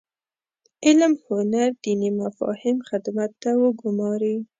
علم هنر دیني مفاهیم خدمت ته وګوماري.